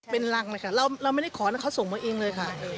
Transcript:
เป็นรังเลยค่ะเราไม่ได้ขอนะเขาส่งมาเองเลยค่ะ